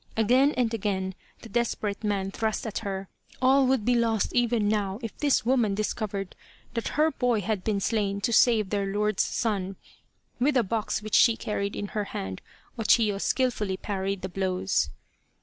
Again and again the desperate man thrust at her. All would be lost even now, if this woman dis covered that her boy had been slain to save their lord's son. With a box which she carried in her hand, O Chiyo skilfully parried the blows.